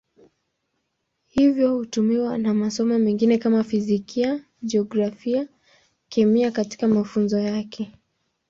Hivyo hutumiwa na masomo mengine kama Fizikia, Jiografia, Kemia katika mafunzo yake.